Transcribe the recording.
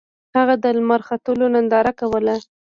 هغه د لمر ختلو ننداره کوله.